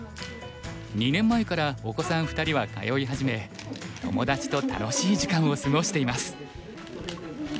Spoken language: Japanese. ２年前からお子さん２人は通い始め友達と楽しい時間を過ごしています。